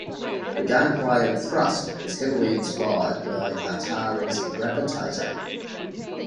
The gameplay of "Thrust" was heavily inspired by Atari's "Gravitar".